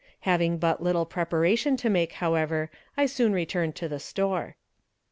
Having but little preparation to make, however, I soon returned to the store.